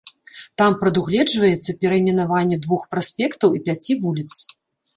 Там прадугледжваецца перайменаванне двух праспектаў і пяці вуліц.